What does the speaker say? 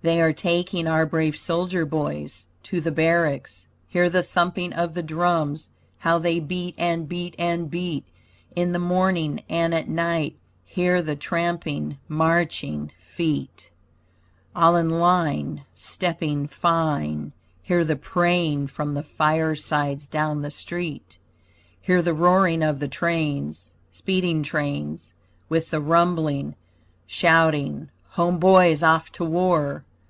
They are taking our brave soldier boys To the barracks. Hear the thumping of the drums How they beat and beat and beat, In the morning and at night, Hear the tramping, marching feet, All in line stepping fine Hear the praying from the firesides down the street. Hear the roaring of the trains, Speeding trains With the rumbling. Shouting home boys off to war!